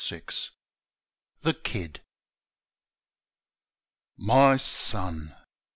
The Kid Y son!